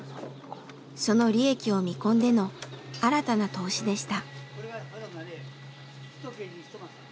その利益を見込んでの新たな投資でした。